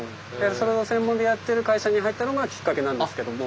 それを専門でやってる会社に入ったのがきっかけなんですけども。